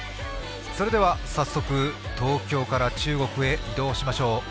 それでは早速東京から中国へ移動しましょう。